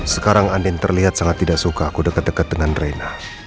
sekarang andin terlihat sangat tidak suka aku dekat dekat dengan reina